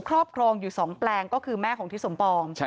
ครอบครองอยู่๒แปลงก็คือแม่ของทิศสมปอง